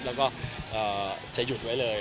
แล้วก็จะหยุดไว้เลย